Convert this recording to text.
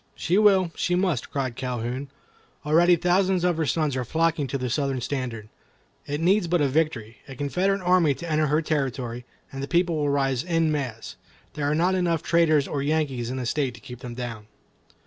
"She will, she must," cried Calhoun. "Already thousands of her sons are flocking to the Southern standard. It needs but a victory—a Confederate army to enter her territory, and the people will rise en masse. There are not enough traitors or Yankees in the state to keep them down."